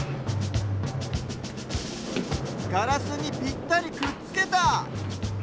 ガラスにぴったりくっつけた！